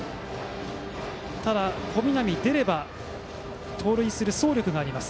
ただ、小南は出れば盗塁する走力があります。